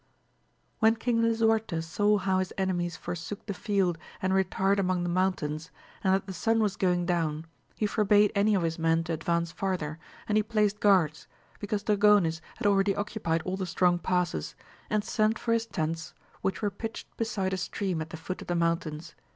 When King Lisuarte saw how his enemies forsook the field and retired among the mountains, and that the sun was going down, he forbade any of his men to advance farther, and he placed guards, because Dragonis had already occupied all the strong passes, and sent for his tents which were pitched beside a stream, at the foot of the mountains.